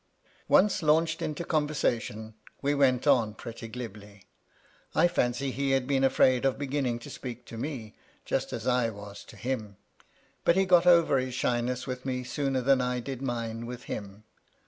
Once launched Into conversation, we went on pretty glibly. I fancy he had been afraid of beginning to speak to me, just as I was to him ; but he got over his shyness with me sooner than I did mine with him.